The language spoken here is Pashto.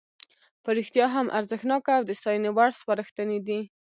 په رښتیا هم ارزښتناکه او د ستاینې وړ سپارښتنې دي.